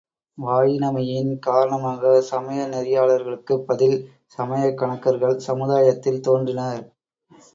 வாயினமையின் காரணமாகச் சமயநெறியாளர்களுக்குப் பதில் சமயக் கணக்கர்கள் சமுதாயத்தில் தோன்றினர்.